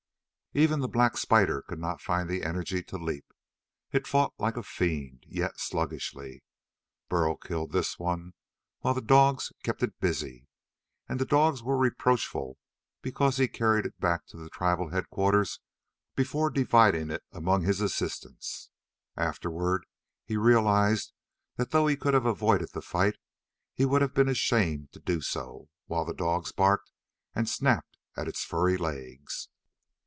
Even the black spider could not find the energy to leap. It fought like a fiend, yet sluggishly. Burl killed this one while the dogs kept it busy, and the dogs were reproachful because he carried it back to the tribal headquarters before dividing it among his assistants. Afterward, he realized that though he could have avoided the fight he would have been ashamed to do so, while the dogs barked and snapped at its furry legs.